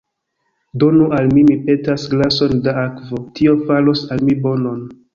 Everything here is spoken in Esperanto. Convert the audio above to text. Donu al mi, mi petas, glason da akvo; tio faros al mi bonon.